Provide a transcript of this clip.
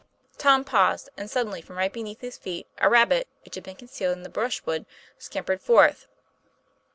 Tom paused, and suddenly, from right beneath his feet, a rabbit which had been concealed in the brushwood scampered forth.